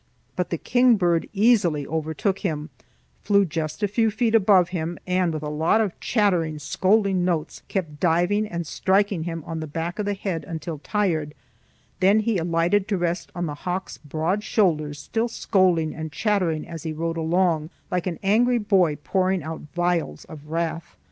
But the kingbird easily overtook him, flew just a few feet above him, and with a lot of chattering, scolding notes kept diving and striking him on the back of the head until tired; then he alighted to rest on the hawk's broad shoulders, still scolding and chattering as he rode along, like an angry boy pouring out vials of wrath.